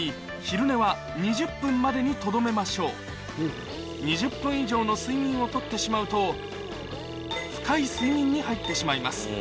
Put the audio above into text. さらににとどめましょう２０分以上の睡眠をとってしまうと深い睡眠に入ってしまいます